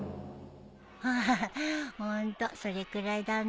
ハハホントそれくらいだね。